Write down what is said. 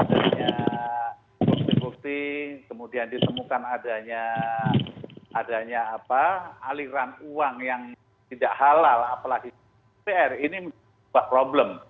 adanya bukti bukti kemudian ditemukan adanya aliran uang yang tidak halal apalagi pr ini sebuah problem